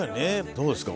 どうですか？